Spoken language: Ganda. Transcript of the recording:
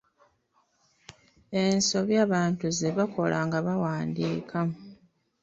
Ensobi abantu ze bakola nga bawandiika.